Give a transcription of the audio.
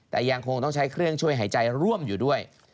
แต่ยังคงต้องใช้เครื่องช่วยหายใจร่วมอยู่ด้วย